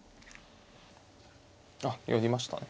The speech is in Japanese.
あっ寄りましたね。